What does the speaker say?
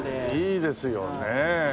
いいですよねえ。